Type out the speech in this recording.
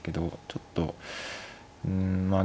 ちょっとうんまあ